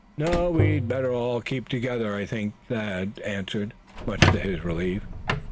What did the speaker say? "No, we'd better all keep together, I think?" Thad answered, much to his relief.